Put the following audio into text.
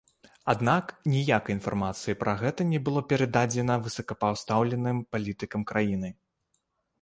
Аднак ніякай інфармацыі пра гэта не было перададзена высокапастаўленым палітыкам краіны.